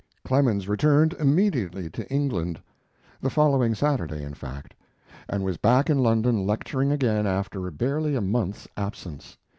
] Clemens returned immediately to England the following Saturday, in fact and was back in London lecturing again after barely a month's absence.